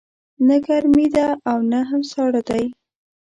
نه ګرمې ده او نه هم ساړه دی